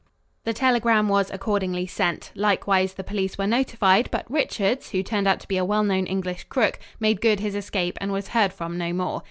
The telegram was accordingly sent. Likewise the police were notified, but Richards, who turned out to be a well known English crook, made good his escape and was heard from no more.